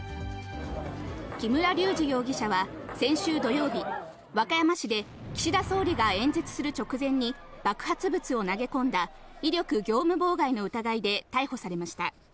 木村隆二容疑者は先週土曜日、和歌山市で岸田総理が演説する直前に爆発物を投げ込んだ、威力業務妨害の疑いで逮捕されました。